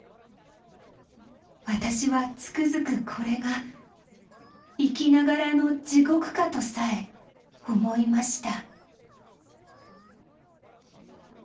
私はつくづくこれが、生きながらの地獄かとさえ思いました。